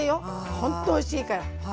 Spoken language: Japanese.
ほんとおいしいから。